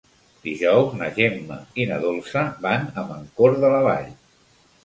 Dijous na Gemma i na Dolça van a Mancor de la Vall.